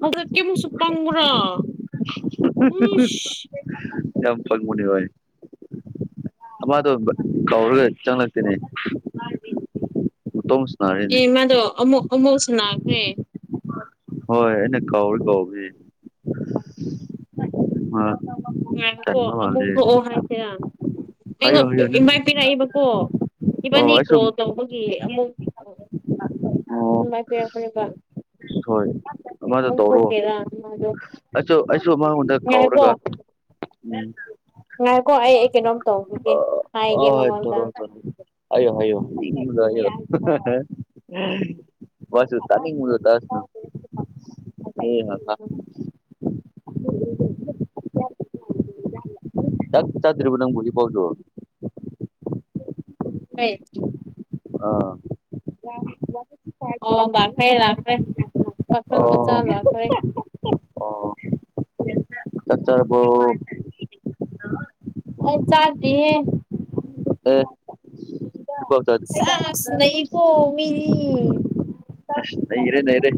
ꯍꯧꯖꯤꯛ ꯀꯦꯃꯨꯛꯁꯨ ꯄꯪꯕ꯭ꯔꯣ ꯌꯥꯝ ꯐꯪꯃꯨꯅꯤ ꯍꯥꯏꯏ ꯑꯃ ꯑꯗꯨ ꯀꯔꯤꯒ ꯆ ꯂꯥꯛꯇꯅꯦꯅꯤ ꯎꯇꯝ ꯁꯅꯔꯦ ꯑꯦ ꯃꯥꯗꯣ ꯑꯃꯨ ꯑꯃꯨꯧꯁꯨ ꯅꯥꯈꯦ ꯍꯣꯏ ꯑꯩꯅ ꯀꯧ ꯀꯧ ꯑ ꯉꯥꯏꯣꯀꯣ ꯑꯃꯨꯛ ꯊꯣꯛꯑꯣ ꯍꯥꯏꯁꯦꯔ ꯑꯩꯉ ꯍꯥꯏꯌꯣ ꯍꯥꯏꯌꯣ ꯅꯪ ꯏꯃꯥꯏ ꯄꯤꯔꯛꯏꯕꯀꯣ ꯑꯣ ꯏꯕꯥꯅꯤꯀꯣ ꯑꯩꯁꯨ ꯇꯧꯕꯒꯤ ꯑꯃꯨꯛ ꯑꯣ ꯉꯥꯏ ꯄꯤꯔꯛꯄꯅꯦꯕ ꯍꯣꯏ ꯑꯃꯗꯣ ꯑꯩꯈꯣꯏ ꯇꯧꯔꯣ ꯊꯣꯛꯀꯦꯔꯥꯗ ꯏꯃꯗꯣ ꯑꯩꯁꯨ ꯑꯩꯁꯨ ꯃꯉꯣꯟꯗ ꯀꯥꯎꯔꯒ ꯎꯝ ꯉꯥꯏꯀꯣ ꯑꯩ ꯀꯩꯅꯣ ꯑꯥ ꯑꯥ ꯍꯣ ꯇꯧꯔꯣ ꯇꯧꯔꯣ ꯍꯥꯏꯌꯣ ꯍꯥꯏꯌꯣ ꯎꯝ [unintelligible] ꯋꯁꯨ ꯇꯥꯅꯤꯡꯉꯁꯨ ꯇꯁꯅꯨ [unintelligible] ꯆꯥꯛ ꯆꯗ꯭ꯔꯤꯕꯣ ꯅꯪꯕꯨ ꯍꯧꯖꯤꯛꯄꯥꯎꯗꯨ [unintelligible] ꯑꯥ ꯑꯣ ꯂꯥꯛꯈ꯭ꯔꯦ ꯂꯥꯛꯈ꯭ꯔꯦ ꯄꯥꯈꯪ ꯃꯆꯥ ꯑꯣ ꯂꯥꯛꯈ꯭ꯔꯦ ꯑꯣ ꯆꯥꯛ ꯆꯔꯕꯣ ꯑꯩ ꯆꯥꯗꯔꯤꯌꯦ ꯑꯦ ꯊꯕꯛ ꯁꯥꯁ ꯅꯩꯄꯣ ꯃꯤꯗꯤ ꯑꯁ ꯅꯩꯒꯔꯦ ꯅꯩꯔꯦ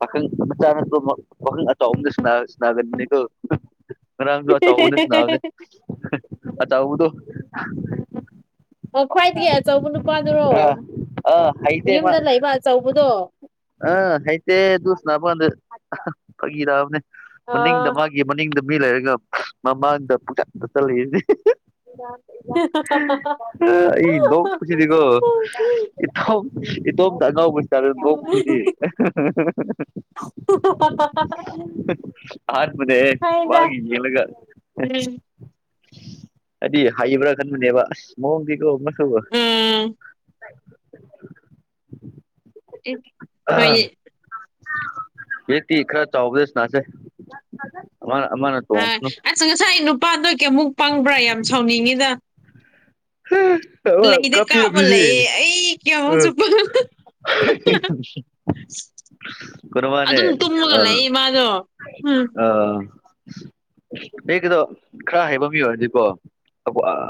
ꯄꯥꯈꯪ ꯃꯆꯥꯅꯇꯣ ꯄꯥꯈꯪ ꯑꯆꯥꯎꯕꯗꯣ ꯁꯥꯒꯟꯕꯅꯤꯀꯣ ꯉꯥꯔꯡꯁꯨ ꯑꯆꯧꯕꯅ ꯁꯕꯅꯦ ꯑꯆꯥꯎꯕꯗꯣ ꯑꯣ ꯈ꯭ꯋꯥꯏꯗꯒꯤ ꯑꯆꯧꯕ ꯅꯨꯄꯥꯗꯨꯔꯣ ꯑꯥ ꯑꯥ ꯍꯩꯇꯦ ꯃꯥ ꯌꯨꯝꯗ ꯂꯩꯕ ꯑꯆꯧꯕꯗꯣ ꯑꯥ ꯍꯩꯇꯦ ꯑꯗꯨ ꯁꯥꯟꯅꯕ ꯀꯥꯟꯗ ꯐꯥꯒꯤꯔꯛꯑꯕꯅꯤ ꯃꯅꯤꯡꯗ ꯑꯥ ꯃꯥꯒꯤ ꯃꯅꯤꯡꯗ ꯃꯤ ꯂꯩꯔꯒ ꯃꯃꯥꯡꯗ ꯄꯨꯆꯠ ꯆꯠꯂꯛꯏꯅꯦ [unintelligible] ꯑꯩ ꯅꯣꯛ ꯄꯁꯤꯗꯤꯀꯣ ꯏꯇꯣꯝ ꯏꯇꯣꯝꯇ ꯑꯉꯥꯎꯕ ꯇꯔꯦ ꯅꯣꯛ ꯁꯤꯗꯤ [unintelligible] ꯑꯍꯥꯟꯕꯅꯦꯍꯦ ꯍꯣꯏꯗ ꯃꯥꯒꯤ ꯌꯦꯡꯂꯒ ꯎꯝ ꯍꯥꯏꯗꯤ ꯍꯥꯏꯕ꯭ꯔꯥ ꯈꯟꯕꯅꯦꯕ ꯑꯁ ꯃꯑꯣꯡꯗꯤꯀꯣ [unintelligible] ꯎꯝ ꯑꯦ ꯑꯥ [unintelligible] ꯈꯔ ꯆꯥꯎꯕꯗ ꯁꯥꯟꯅꯁꯦ ꯑꯃꯔ ꯑꯃꯔ ꯑꯥ ꯑꯁ ꯉꯁꯥꯏ ꯅꯨꯄꯥꯗꯣ ꯀꯌꯥꯃꯨꯛ ꯄꯪꯕ꯭ꯔꯥ ꯌꯥꯝ ꯁꯥꯎꯅꯤꯡꯉꯤꯗ ꯂꯩꯗ ꯀꯥꯞꯄ ꯂꯩꯌꯦ ꯑꯩ [unintelligible] ꯀꯌꯥꯃꯨꯛꯁꯨ [unintelligible] ꯀꯨꯔꯥꯕꯅꯦ ꯑꯗꯨꯝ ꯇꯨꯝꯃꯒ ꯑꯥ ꯂꯩꯌꯦ ꯃꯥꯗꯣ ꯎꯝ ꯑꯥ ꯑꯩ ꯀꯗꯣ ꯈꯔ ꯍꯩꯕ ꯃꯤ ꯑꯣꯏꯔꯗꯤꯀꯣ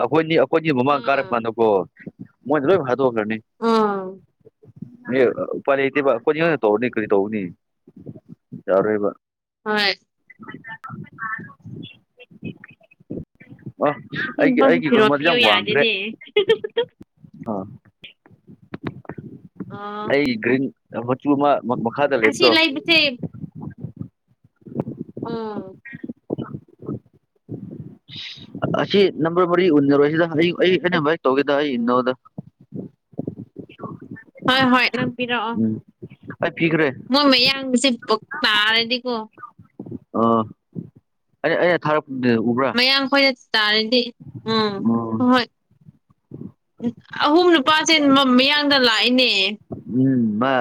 ꯑꯈꯣꯏꯅꯤ ꯑꯈꯣꯏꯒꯤ ꯃꯃꯥꯡ ꯑꯥ ꯀꯥꯔꯛꯄꯥꯟꯗꯀꯣ ꯃꯣꯏ ꯂꯣꯏ ꯍꯥꯠꯇꯣꯛꯈ꯭ꯔꯅꯤ ꯑꯥ ꯑꯦ ꯎꯄꯥꯏ ꯂꯩꯇꯦꯕ ꯀꯣꯔꯤꯌꯥꯅ ꯇꯧꯔꯅꯤ ꯀꯔꯤ ꯇꯧꯅꯤ ꯌꯥꯔꯣꯏꯕ ꯍꯣꯏ ꯃꯥ ꯑꯁꯤ ꯑꯩꯒꯤ ꯅꯨꯄꯥꯁꯦ ꯑꯩꯒꯤ ꯐꯤꯔꯣꯜ [unintelligible] ꯄꯤꯌꯨ ꯌꯥꯗꯦꯅꯦ ꯑꯥ ꯑꯥ ꯑꯩ ꯒ꯭ꯔꯤꯟ ꯃꯆꯨ ꯑꯃ ꯃꯈꯥꯗ ꯑꯁꯤ ꯂꯩꯕꯗꯣ ꯂꯥꯩꯕꯁꯦ ꯑꯥ ꯑꯁꯤ ꯅꯝꯕꯔ ꯃꯔꯤ ꯎꯅꯔꯣꯏ ꯁꯤꯗ ꯍꯌꯨ ꯑꯩ ꯑꯩ ꯅꯥꯝꯕꯔ ꯇꯧꯒꯦꯗ ꯑꯩ ꯅꯣꯗ ꯍꯣꯏ ꯍꯣꯏ ꯅꯪ ꯄꯤꯔꯛꯑꯣ ꯑꯩ ꯄꯤꯒꯥꯔꯦ ꯃꯣꯏ ꯃꯌꯥꯡꯁꯦ ꯇꯥꯔꯗꯤꯀꯣ ꯑꯥ ꯑꯩ ꯑꯩꯅ ꯊꯥꯔꯛꯄꯗꯤ ꯎꯕꯔꯥ ꯃꯌꯥꯝ ꯈꯣꯏꯅ ꯇꯥꯔꯗꯤ ꯎꯝ ꯍꯣꯏ ꯍꯣꯏ ꯑꯍꯨꯝ ꯅꯨꯄꯥꯁꯦ ꯃꯌꯥꯡꯗ ꯂꯥꯛꯏꯅꯦ ꯎꯝ ꯃꯥ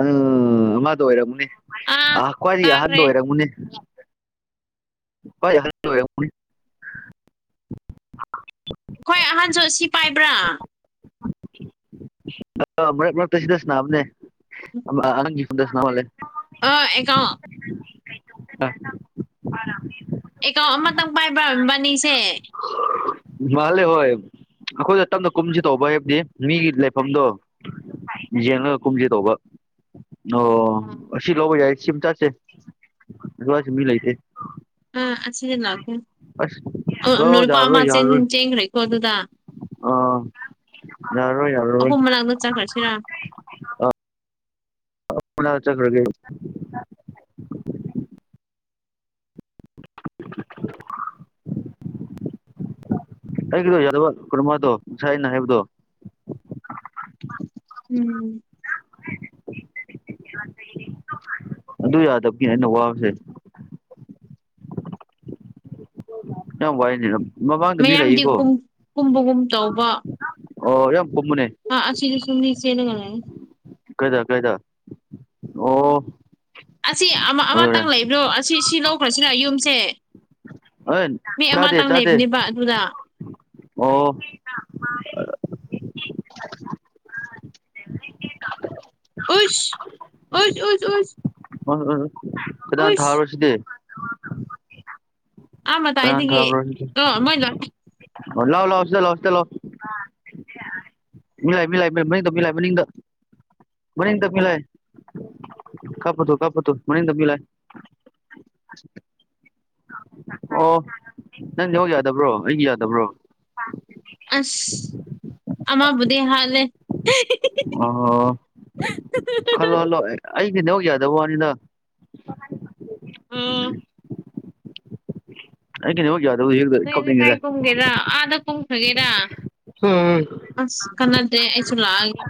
ꯎꯝ ꯃꯥꯗ ꯑꯣꯏꯔꯝꯃꯨꯅꯦ ꯑ ꯑꯥ ꯈ꯭ꯋꯥꯏꯗꯒꯤ ꯑꯍꯟꯗ ꯇꯥꯈ꯭ꯔꯦ ꯑꯣꯏꯔꯝꯃꯨꯅꯦ ꯍ [unintelligible] ꯑꯩꯈꯣꯏ ꯑꯍꯥꯟꯕꯁꯨ ꯁꯤ ꯄꯥꯏꯕ꯭ꯔꯥ ꯑꯣ ꯑ ꯃꯁꯤ ꯗꯁꯅ ꯑꯅꯦ ꯑꯅꯪꯗꯁꯅ ꯃꯦ ꯑ ꯑꯦꯒꯥꯎ ꯑ ꯎ ꯑꯦꯀꯥꯎꯟ ꯑꯃꯇꯪ ꯄꯥꯏꯕꯔꯝꯕꯅꯤꯁꯦ ꯃꯥꯂꯦ ꯍ ꯑꯩꯈꯣꯏꯗ ꯇꯞꯅ ꯀꯨꯝꯁꯤ ꯇꯧꯕ ꯍꯥꯏꯕꯗꯤ ꯃꯤꯒꯤ ꯂꯩꯐꯝꯗꯣ ꯌꯦꯂꯒ ꯀꯨꯝꯖꯤ ꯇꯣꯕ ꯑꯣ ꯑꯁꯤ ꯂꯧꯕ ꯌꯥꯁꯤ ꯆꯁꯦ ꯑꯗꯨ ꯃꯤ ꯂꯩꯇꯦ ꯑꯥ ꯑꯁꯤꯗ ꯂꯥꯛꯑꯦ ꯑꯁ ꯑ ꯂꯨ ꯂꯧ ꯂꯨꯄꯥ ꯑꯃ ꯆꯦꯟ ꯆꯦꯟꯈ꯭ꯔꯦꯀꯣ ꯑꯗꯨꯗ ꯑ ꯌꯥꯔꯣꯏ ꯌꯥꯔꯣꯏ ꯑꯍꯨꯝ ꯃꯅꯥꯛꯗ ꯆꯥꯈꯠꯁꯤꯔꯥ ꯄꯨꯟꯅ ꯆꯠꯈꯔ ꯗꯤ [inaudible] ꯍ ꯀꯣ ꯌꯥꯗꯕ ꯀꯔꯃ ꯑꯗꯨꯣ ꯁꯥꯏꯅ ꯍꯥꯏꯕꯣ ꯎꯝ ꯑꯗꯨ ꯌꯥꯗꯕꯒꯤ ꯑꯩꯅ ꯋꯥꯕꯁꯦ ꯅ ꯋꯥꯥꯏꯅꯤꯔ ꯃꯌꯥꯝꯗꯤ ꯀꯨꯝꯕꯒꯨꯝ ꯇꯧꯕ ꯑꯣ ꯌꯥꯝ ꯄꯨꯝꯃꯨꯅꯦ ꯑꯥ ꯑꯁꯤꯗꯁꯨ ꯃꯤ ꯆꯦꯟꯂꯒ ꯂꯥꯛꯑꯦ ꯀꯩꯗ ꯀꯩꯗ ꯑꯣ ꯑꯁꯤ ꯑꯃ ꯑꯣꯏꯔꯦ ꯑꯃꯇꯪ ꯂꯩꯕ꯭ꯔꯣ ꯑꯁꯤ ꯁꯤ ꯂꯧꯈ꯭ꯔꯁꯤꯔ ꯌꯨꯝꯁꯦ ꯑꯦ ꯃꯤ ꯆꯥꯗꯦ ꯑꯃꯇꯪ ꯆꯥꯗꯦ ꯂꯩꯕꯅꯦꯕ ꯑꯗꯨꯗ ꯑꯣ [inaudible] ꯑꯣ ꯑꯣ ꯑꯣꯁ ꯑꯣꯁ ꯎꯝ ꯎꯝ ꯀꯅꯥꯅ ꯊꯥꯕ꯭ꯔꯣ ꯁꯤꯗꯤ ꯑꯥ ꯀ ꯃꯇꯥꯏꯗꯒꯤ ꯑꯣ ꯃꯣꯏ ꯂꯥꯛꯑꯦ ꯊꯂꯣꯁꯗ ꯂꯣꯁꯗ ꯂꯣ ꯃꯤ ꯂꯥꯏ ꯃꯤ ꯂꯥꯏꯅꯤꯡꯗꯣ ꯃꯤ ꯂꯥꯏ ꯃꯅꯤꯡꯗ ꯃꯅꯤꯗ ꯃꯤꯂꯏ ꯀꯥꯞꯄ ꯇ ꯀꯄ ꯇ ꯃꯅꯤꯗ ꯃꯤꯂꯥꯏ ꯑꯣ ꯅꯪ ꯍ ꯌꯥꯗꯕ꯭ꯔꯣ ꯑꯩꯒꯤ ꯌꯥꯗꯕ꯭ꯔꯣ ꯑꯁ ꯑꯃꯥ ꯕꯙꯦ ꯍꯜ ꯑꯣ ꯍꯜꯂꯣ ꯍꯜꯂꯣ ꯑꯩ ꯗꯧ ꯌꯥꯗꯕ ꯋꯥꯅꯤꯅ [unintelligible] ꯎꯝ ꯑꯩ ꯍꯣ ꯌꯥꯎꯔ ꯍꯒ ꯀꯞꯄꯗꯉꯗ ꯑꯗ ꯆꯪ ꯊꯒꯦꯗ ꯎꯝ ꯀꯟꯅꯗ꯭ꯔꯦ ꯑꯩꯁꯨ ꯂꯥꯛꯑꯒꯦ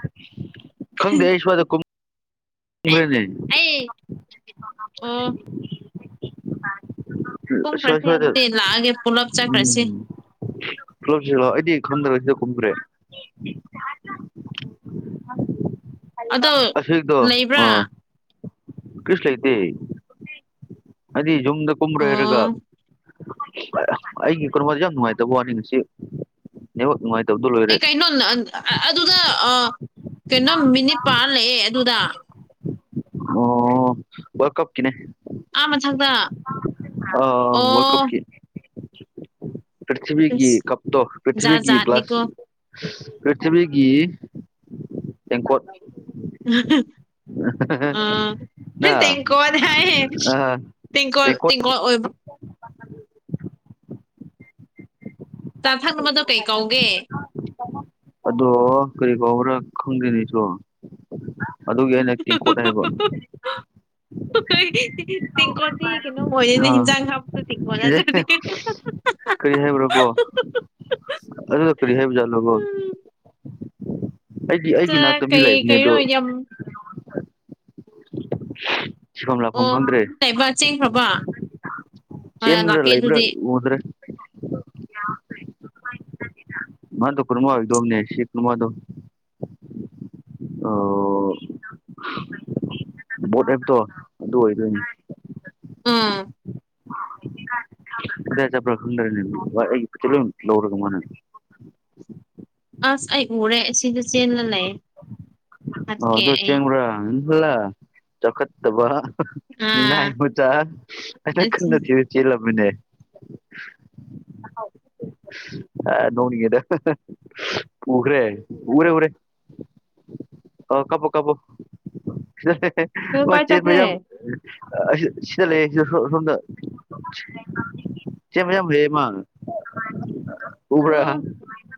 ꯈꯪꯗꯦ ꯑꯩ ꯁꯋꯥꯗ ꯀꯨꯝ ꯑꯩ ꯅꯦ ꯑꯣ ꯁꯣꯏ ꯀꯨꯝꯈ꯭ꯔꯁꯦ ꯁꯣꯏꯗ ꯑꯗꯨꯗꯤ ꯂꯥꯛꯑꯒꯦ ꯄꯨꯂꯞ ꯆꯠꯈ꯭ꯔꯁꯤ ꯎꯝ ꯑꯗꯣ [unintelligible] ꯟꯁꯤꯗꯣ ꯂꯩꯕ꯭ꯔꯥ ꯑ ꯀꯔꯤꯁꯨ ꯂꯩꯇꯦ ꯍꯥꯏꯗꯤ ꯌꯨꯝꯗ ꯀꯨꯝꯕꯔ ꯍꯥꯏꯔꯒ ꯑꯣ ꯑꯩꯒꯤ ꯀꯩꯅꯣꯃꯗ ꯌꯥꯝ ꯅꯨꯡꯉꯥꯏꯇꯕ ꯋꯥꯅꯤ ꯉꯁꯤ ꯅꯕ ꯅꯨꯡꯉꯥꯏꯇꯕꯗꯣ ꯂꯣꯏꯔꯦ ꯑꯩ ꯀꯩꯅꯣ ꯑꯗꯨꯗ ꯀꯩꯅꯣ ꯃꯤꯅꯤꯠ ꯄꯥꯔ ꯂꯩꯑꯦ ꯑꯗꯨꯗ ꯑꯣ ꯋꯥꯔ ꯀꯞ ꯀꯤꯅꯦ ꯑꯥ ꯃꯊꯛꯇ ꯑ ꯑꯣ ꯋꯥꯂꯀꯞꯀꯤ ꯄ꯭ꯔꯤꯊꯤꯕꯤꯒꯤ ꯑꯁ ꯀꯞꯇꯣ ꯖꯥꯠ ꯄ꯭ꯔꯤꯊꯤꯕꯤꯒꯤ ꯒ꯭ꯂꯥꯁ ꯖꯥꯠꯅꯤꯀꯣ ꯄ꯭ꯔꯤꯊꯤꯕꯤꯒꯤ ꯏꯀꯣ ꯎꯝ ꯅ ꯑꯀꯣꯗ ꯑꯥ ꯇꯦꯡꯀꯣꯠ ꯍꯥꯏꯦꯀꯣꯀꯣ ꯆꯥꯊꯪꯅꯕꯗꯣ ꯀꯩ ꯀꯧꯒꯦ ꯑꯗꯣ ꯀꯔꯤ ꯀꯥꯎꯕꯔ ꯈꯪꯗ꯭ꯅꯤꯁꯨ ꯑꯗꯨꯒꯤ ꯑꯩꯅ ꯇꯤꯡꯀꯣꯠ ꯍꯥꯏꯕ [unintelligible] ꯇꯦꯡꯀꯣꯗꯤ ꯀꯩꯅꯣ ꯍꯣꯏꯅ ꯑꯥ ꯍꯟꯖꯥꯡ ꯍꯥꯕꯛꯇ ꯇꯦꯡꯀꯣꯠꯅꯗ꯭ꯔꯗꯤ ꯑꯗꯨꯒ ꯀꯔꯤ ꯍꯥꯏꯕꯖꯥꯠꯂꯣꯕꯣ ꯑꯩꯗꯤ ꯑꯩꯒꯤ ꯆꯥ ꯏꯅꯥꯛꯇꯕꯤ ꯀꯩ ꯂꯩꯕꯅꯦ ꯑꯗꯣ ꯀꯩꯅꯣ ꯌꯥꯝ [unintelligible] ꯁꯤꯐꯝ ꯂꯥꯛꯐꯝ ꯑꯣ ꯈꯪꯗ꯭ꯔꯦ ꯀꯩꯕ ꯆꯦꯟꯈ꯭ꯔꯕ ꯍꯣꯏ ꯆꯦꯟꯕ꯭ꯔꯥ ꯂꯥꯛꯀꯦ ꯂꯩꯕ꯭ꯔꯥ ꯑꯗꯨꯗꯤ ꯎꯗ꯭ꯔꯥ ꯃꯥ ꯇ ꯀꯨꯔꯃꯕꯤꯗ ꯑꯅꯤꯁꯤ ꯀꯨꯔꯃꯗꯣ ꯣꯠꯦꯕꯇ ꯑꯗꯨ ꯑꯗꯨ ꯑꯣꯏꯗ ꯎꯝ [unintelligible] ꯑꯁ ꯑꯩ ꯎꯔꯦ ꯁꯤꯗ ꯆꯦꯜꯂ ꯂꯩ ꯍꯥꯠꯀꯦ ꯑꯩ ꯍꯂ ꯆꯈꯠ ꯇꯕ ꯅ ꯑꯥ ꯃꯨ ꯆ ꯑꯁ ꯀꯟꯅ ꯊ ꯆꯦꯜ ꯂꯃꯤꯅꯦ ꯑ ꯅꯣꯡꯅꯤꯒꯦꯗ ꯑꯨꯈꯔꯦ ꯎꯔꯦ ꯎꯔꯦ ꯑ ꯀꯕꯨꯨ ꯀꯕꯨꯨ ꯑꯣ ꯀꯥꯏ ꯆꯦꯠ ꯆꯠꯈ꯭ꯔꯦ ꯃꯌꯥꯝ ꯁꯤꯗ ꯂꯩꯦ ꯁꯗ ꯆꯦ ꯃꯌꯥꯝ ꯂꯩꯌꯦꯃ ꯎꯕ꯭ꯔ ꯑꯣ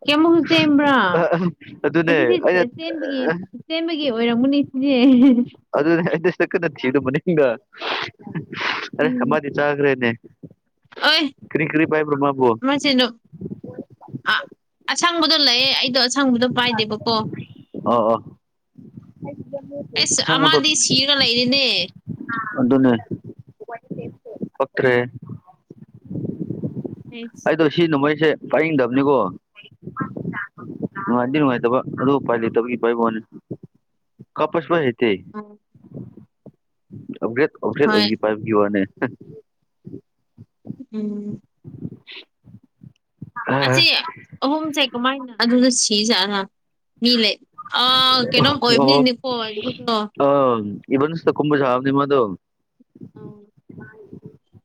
ꯀꯌꯥꯃꯨꯛꯁꯨ ꯆꯦꯟꯕ꯭ꯔꯥ ꯑꯁꯤꯁꯦ ꯆꯦꯟꯕꯒꯤ ꯆꯦꯟꯕꯒꯤ ꯑꯣꯏꯔꯝꯃꯨꯅꯦ ꯁꯤꯅꯦꯦ ꯑꯗꯨꯅꯦꯗꯁ ꯇꯀ ꯅꯁꯤꯗꯨ ꯃꯅꯤ ꯍꯒ ꯑꯔꯦ ꯎꯝ ꯍꯃꯗꯤ ꯆꯥꯒ꯭ꯔꯦꯅꯦ ꯀꯔꯤ ꯀꯔꯤ ꯄꯥꯏꯕ꯭ꯔꯣꯃꯕꯨꯣ ꯁꯤꯅ ꯑ ꯑꯁꯪꯕꯗꯣ ꯂꯩꯑꯦ ꯑꯩꯗꯣ ꯑꯁꯪꯕꯗꯣ ꯄꯥꯏꯗꯦꯕꯀꯣ ꯑꯣ ꯑꯣ ꯑꯩꯁ ꯑꯃꯗꯤ ꯁꯤꯔꯒ ꯂꯩꯔꯤꯅꯦ ꯑꯗꯨꯅꯦꯅꯦ ꯐꯇ꯭ꯔꯦ ꯍꯝ ꯑꯣ ꯁꯤ ꯅꯣꯡꯃꯩꯁꯦ ꯄꯥꯏꯡꯗꯕꯅꯤꯀꯣ ꯅꯨꯡꯉꯥꯏꯗꯤ ꯑꯣ ꯅꯨꯡꯉꯥꯏꯇꯕ ꯑꯗꯨ ꯄꯥꯏ ꯂꯩ ꯇ ꯄꯥꯏꯕꯣꯅꯦ ꯀꯄꯁꯄ ꯍꯇꯦ ꯑꯣ ꯑꯞꯒ꯭ꯔꯦꯗ ꯑꯞꯒ꯭ꯔꯦꯗ ꯍꯣꯏ ꯄꯥꯏꯕꯌꯣ ꯅꯦ ꯎꯝ ꯑꯁꯤ ꯑꯍꯨꯝꯁꯦ ꯀꯃꯥꯏꯅ ꯑꯗꯨꯅ ꯁꯤꯖꯥꯠꯂ ꯃꯤ ꯂꯩ ꯑ ꯀꯩꯅꯣ ꯑꯣꯏꯕꯅꯤꯀꯣ ꯑ ꯏꯕꯟꯁ ꯀꯨꯝꯕꯁꯕꯅꯤꯃ ꯑꯗꯨ ꯑꯥꯎ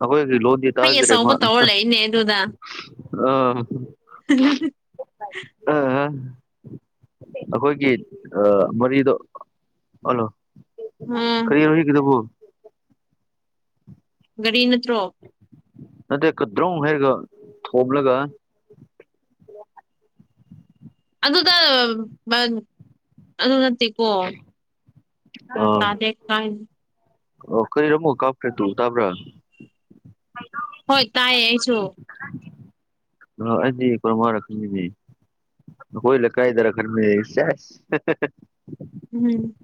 ꯑꯈꯣꯏ ꯂꯣ ꯇꯖ꯭ꯔꯦꯃ ꯑꯆꯧꯕ ꯑ ꯇꯧꯔ ꯂꯩꯅꯦ ꯑꯗꯨꯗ ꯑꯥ ꯑꯩꯈꯣꯏꯒꯤ ꯑ ꯃꯔꯤꯗꯣ ꯍꯜꯂꯣ ꯎꯝ ꯀꯔꯤꯔꯁꯤꯒꯗꯕꯨ ꯔꯤ ꯅꯠꯇ꯭ꯔꯣ ꯅꯠꯇꯦꯀꯗ꯭ꯔꯧ ꯍꯥꯏꯔꯒ ꯊꯣꯝꯂꯒ ꯑꯗꯨꯗ ꯑꯗꯨ ꯅꯠꯇꯦꯀꯣ ꯑꯥ ꯗꯦ ꯀꯥꯏ ꯑꯣ ꯀꯔꯤꯔꯝꯃꯣ ꯀꯥꯄ꯭ꯔꯦ ꯇꯨ ꯇꯥꯕ꯭ꯔꯥ [unintelligible] ꯍꯣꯏ ꯇꯥꯏꯌꯦ ꯑꯩꯁꯨ [unintelligible] ꯗꯨꯅ ꯑꯩꯗꯤ ꯀꯔꯃꯥꯏꯅ ꯈꯪꯒꯅꯤ ꯍꯣꯏꯂ ꯀꯥꯏꯗꯔ ꯈꯔ ꯎꯝ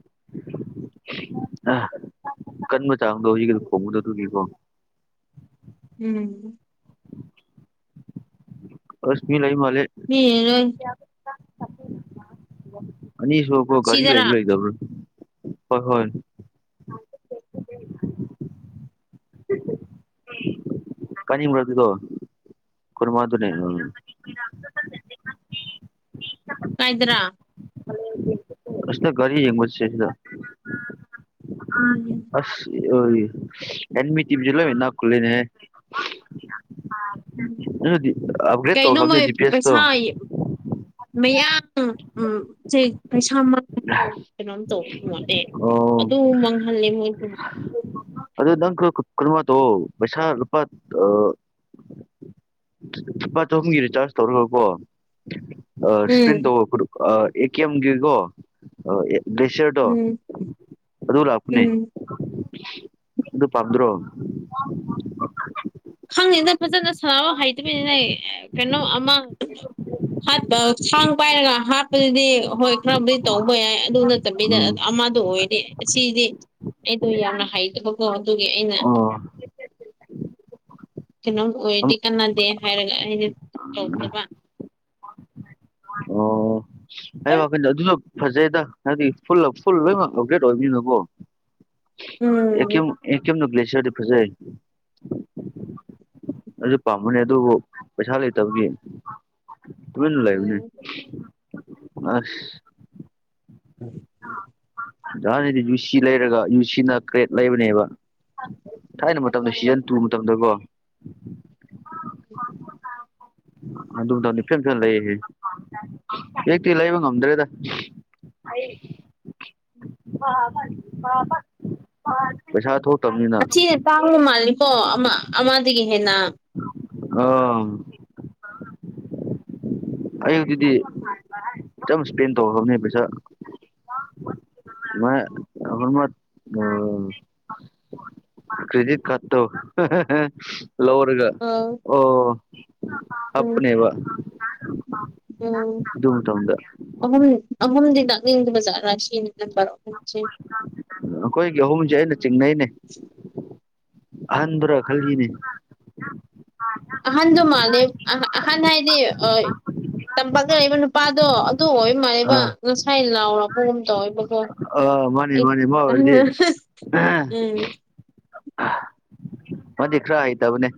ꯑ ꯀꯟꯕ ꯆꯥꯡꯗꯣ ꯍꯧꯖꯤꯛꯀꯤ ꯈꯣꯡꯉꯗ ꯑꯗꯨꯒꯤꯀꯣ ꯎꯝ ꯑꯁ ꯃꯤ ꯂꯩꯕ ꯃꯥꯜꯂꯦ [unintelligible] ꯑꯅꯤꯁꯨꯄꯣ ꯀꯔꯤ ꯁꯤꯗꯔꯥ ꯂꯩꯕ ꯂꯩꯗꯕ꯭ꯔ ꯍꯣꯏ ꯍꯣꯏ ꯀꯅꯤꯝ꯭ꯔ ꯑꯗꯨꯗꯣ [unintelligible] [unintelligible] ꯀꯥꯏꯗ꯭ꯔꯥ ꯑꯁ ꯒꯔꯤ ꯌꯦꯡꯕꯁꯦ ꯎꯝ ꯑꯁ ꯍꯃꯤ ꯇ ꯏꯝꯁꯤꯂ ꯏꯅꯥ ꯀꯜꯦꯅꯦ ꯎꯝ ꯑꯞꯒ꯭ꯔꯦꯗ ꯀꯩꯅꯣ ꯇꯧꯈꯕꯅꯦ ꯃꯣꯏ ꯗꯤ ꯄ ꯑꯦꯁꯇꯣ ꯄꯩꯁꯥ [unintelligible] ꯀꯩꯅꯣꯝ ꯇꯧꯕ ꯃꯣꯠꯂꯦ ꯑꯣ ꯑꯗꯨ ꯃꯥꯡꯍꯜꯂꯦ ꯃꯣꯏꯁꯨ ꯑꯗꯨꯗ ꯅꯪ ꯀ ꯀꯃꯣ ꯩꯁꯥꯨꯄꯥ ꯑ ꯂꯨꯄꯥ ꯆꯍꯨꯝꯒꯤ ꯔꯤꯆꯥꯔꯖ ꯇꯧꯔꯒꯀꯣ ꯎꯝ ꯏꯁꯄ꯭ꯔꯤꯟ ꯇꯧꯔꯕꯗꯣ [unintelligible] ꯒ꯭ꯂꯦꯁꯤꯌꯥꯔꯇꯣ ꯎꯝ ꯑꯗꯨ ꯂꯥꯛꯄꯅꯦ ꯎꯝ ꯑꯗꯨ ꯄꯝꯗ꯭ꯔꯣ ꯈꯪꯉꯦꯅ ꯐꯖꯅ ꯁꯥꯟꯅꯔ ꯍꯩꯇꯕꯅꯤꯅꯦ ꯀꯩꯅꯣ ꯑꯃ ꯍꯥꯠꯄ ꯈꯥꯡ ꯄꯥꯏꯔꯒ ꯍꯥꯠꯄꯗꯨꯗꯤ ꯍꯣꯏ ꯈꯔꯕꯨꯗꯤ ꯇꯧꯕ ꯌꯥꯏ ꯑꯗꯨꯅ ꯆ ꯆꯕꯤꯗ ꯎꯝ ꯑꯃꯗꯣ ꯑꯣꯏꯗꯤꯦ ꯁꯤꯗꯤ ꯑꯩꯗꯣ ꯌꯥꯝꯅ ꯍꯩꯇꯕꯀꯣ ꯑꯗꯨꯒꯤ ꯑꯩꯅ ꯑꯣ ꯀꯩꯅꯣ ꯑꯣꯏꯔꯗꯤ ꯀꯥꯟꯅꯗꯦ ꯍꯥꯏꯔꯒ ꯑꯩꯅ ꯇꯧꯗꯕ ꯑꯣ ꯑꯩ ꯋꯥꯈꯜꯗ ꯑꯗꯨꯁꯨ ꯐꯖꯩꯗ ꯍꯥꯏꯗꯤ ꯐꯨꯜ ꯐꯨꯜ ꯂꯣꯏꯅꯃꯛ ꯑꯞꯒ꯭ꯔꯦꯗ ꯑꯣꯏꯗꯣꯏꯅꯀꯣ ꯎꯝ [unintelligible] ꯑꯗꯨꯁꯨ ꯄꯥꯝꯕꯅꯦ ꯑꯗꯨꯕꯨ ꯄꯩꯁꯥ ꯂꯩꯇꯕꯒꯤ ꯇꯨꯃꯤꯅ ꯂꯩꯥꯏꯅꯦ ꯎꯝ ꯑꯁ [unintelligible] ꯑꯣꯍꯥꯟꯅꯤꯗꯤ ꯌꯨꯁꯤ ꯂꯩꯔꯒ ꯌꯨꯁꯤꯅ ꯀ꯭ꯔꯦꯠ ꯂꯩꯕꯅꯦꯕ ꯊꯥꯏꯅ ꯃꯇꯝꯗ ꯎꯝ ꯁꯤꯖꯟ ꯇꯨ ꯃꯇꯝꯗꯀꯣ ꯑꯗꯨꯝ ꯇꯧꯅꯤ ꯐꯤꯂꯝ ꯐꯅ ꯂꯩ ꯍꯦꯛꯇꯤ ꯂꯩꯕ ꯉꯝꯗ꯭ꯔꯦꯗ ꯑꯩ [unintelligible] ꯄꯩꯁꯥ ꯊꯣꯛꯇꯕꯅꯤꯅ ꯑꯁꯤꯅ ꯇꯥꯡꯕ ꯃꯥꯜꯂꯤꯀꯣ ꯑꯃ ꯑꯃꯗꯒꯤ ꯍꯦꯟꯅ ꯑ ꯑꯌꯨꯛꯗꯗꯤ [unintelligible] ꯆꯝ ꯏꯁ꯭ꯄꯦꯟ ꯇꯧꯈꯔꯕꯅꯦ ꯄꯩꯁꯥ ꯃꯥꯏ [unintelligible] [unintelligible] ꯀ꯭ꯔꯦꯗꯤꯠ ꯀꯥꯔꯠ ꯇꯣ [unintelligible] ꯂꯧꯔꯒ ꯑꯧ ꯑꯣ ꯍꯥꯞꯄꯅꯦꯕ ꯎꯝ ꯑꯗꯨ ꯃꯇꯝꯗ ꯑꯍꯨꯝ ꯑꯍꯨꯝꯗꯤ ꯂꯥꯛꯅꯤꯡꯗꯕ ꯖꯥꯠꯔ ꯁꯤ ꯅꯝꯕꯔ ꯑꯍꯨꯝ ꯁꯦ ꯑꯩꯈꯣꯏꯒꯤ ꯑꯍꯨꯝꯁꯦ ꯑꯩꯅ ꯆꯤꯡꯅꯩꯅꯦ ꯑꯍꯟꯗꯨꯔꯥ ꯈꯜꯂꯤꯅꯦ ꯑꯍꯟꯗꯨ ꯃꯥꯂꯤ ꯑꯍ ꯑꯍꯟ ꯍꯥꯏꯗꯤ ꯇꯝꯄꯥꯛ ꯂꯩꯕ ꯅꯨꯄꯥꯗꯣ ꯑꯗꯨ ꯑꯣꯏ ꯃꯥꯜꯂꯦꯕ ꯑꯥ ꯉꯁꯥꯏ ꯂꯥꯎꯔꯕ__ ꯄꯒꯨꯝ ꯇꯧꯋꯦꯕꯀꯣ ꯑꯥ ꯃꯥꯅꯤ ꯑꯩ ꯃꯥꯅꯤ ꯃꯥ ꯑꯣꯏꯔꯗꯤ [unintelligible] ꯎꯝ ꯑꯥꯍ ꯃꯥꯗꯤꯈ꯭ꯔ ꯍꯩꯇꯕꯅꯦ